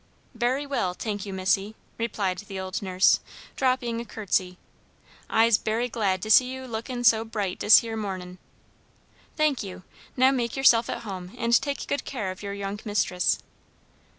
"Berry well, tank you, missy," replied the old nurse, dropping a courtesy. "I'se berry glad to see you lookin' so bright dis here mornin'." "Thank you. Now make yourself at home and take good care of your young mistress."